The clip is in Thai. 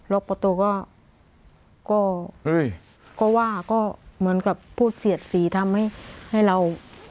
ล็อกประตูก็ว่าก็เหมือนกับพูดเสียดสีทำให้เรา